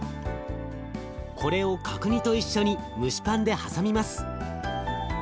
これを角煮と一緒に蒸しパンで挟みます。